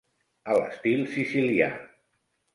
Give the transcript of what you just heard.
A l'estil sicilià.